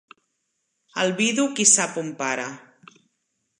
El vidu qui sap on para.